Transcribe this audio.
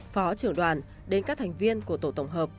phó trưởng đoàn đến các thành viên của tổ tổng hợp